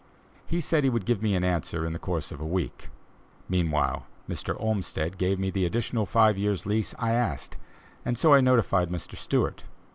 He said he would give me an answer in the course of a week. Meanwhile, Mr. Olmsted gave me the additional five years lease I asked, and I so notified Mr. Stewart.